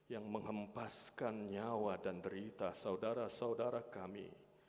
yang mengempaskan nyawa dan derita saudara saudara kami